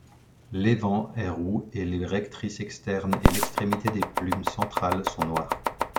L'évent est roux et les rectrices externes et l'extrémité des plumes centrales sont noires.